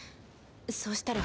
そうしたら。